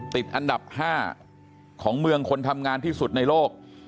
ติดอันดับ๕ของเมืองคนทำงานที่สุดในโลก